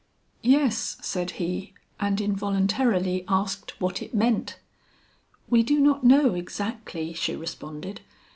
"Yes," said he, and involuntarily asked what it meant. "We do not know exactly," she responded.